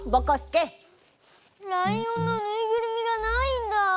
ライオンのぬいぐるみがないんだ。